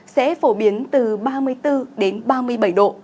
sẽ phổ biến từ ba mươi bốn đến ba mươi bảy độ